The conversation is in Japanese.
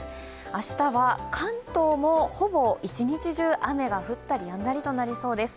明日は関東もほぼ一日中、雨が降ったりやんだりとなりそうです。